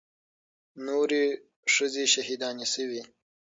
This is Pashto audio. نورې ښځې شهيدانې سوې.